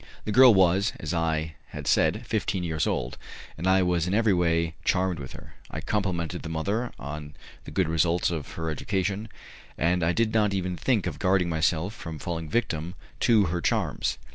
The girl was, as I had said, fifteen years old, and I was in every way charmed with her. I complimented the mother on the good results of her education, and I did not even think of guarding myself from falling a victim to her charms.